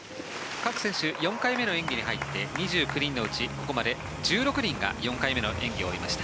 各選手、４回目の演技に入って２９人中ここまで１６人が４回目の演技を終えました。